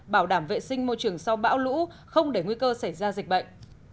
bảo đảm vệ sinh môi trường sau bão lũ không để nguy cơ xảy ra dịch bệnh